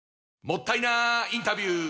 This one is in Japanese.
もったいなインタビュー！